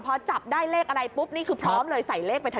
พอจับได้เลขอะไรปุ๊บนี่คือพร้อมเลยใส่เลขไปทัน